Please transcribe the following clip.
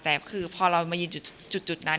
แต่พอเรามาถึงจุดนะ